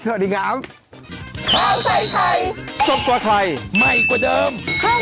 สวัสดีครับ